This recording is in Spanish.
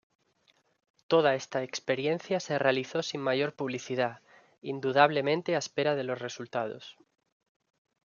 Toda esta experiencia se realizó sin mayor publicidad, indudablemente a espera de los resultados.